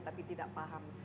tapi tidak paham